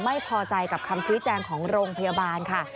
ไม่พอใจกับคำชี้แจงของโรงพยาบาลค่ะ